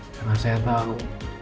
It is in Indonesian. karena saya tahu